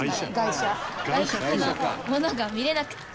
外国のものが見れなくって。